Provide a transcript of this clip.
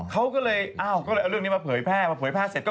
เขาก็เลยเอาเรื่องนี้มาเผยแฟ่